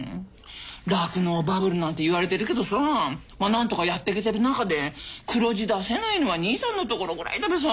酪農バブルなんて言われてるけどさまあなんとかやっていけてる中で黒字出せないのは兄さんのところぐらいだべさ。